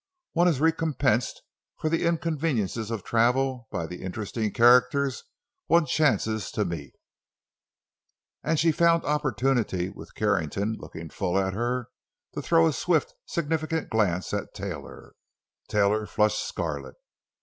"One is recompensed for the inconveniences of travel by the interesting characters one chances to meet." And she found opportunity, with Carrington looking full at her, to throw a swift, significant glance at Taylor. Taylor flushed scarlet.